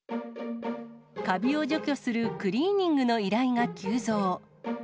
かびを除去するクリーニングの依頼が急増。